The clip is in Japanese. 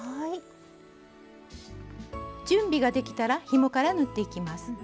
準備ができたらひもから縫っていきます。